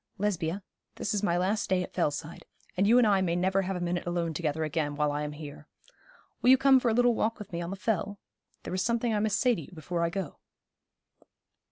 'Lesbia, this is my last day at Fellside, and you and I may never have a minute alone together again while I am here. Will you come for a little walk with me on the Fell? There is something I must say to you before I go.'